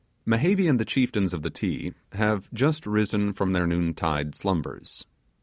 Mehevi and the chieftains of the Ti have just risen from their noontide slumbers.